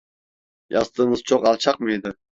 Yastığınız çok alçak mıydı?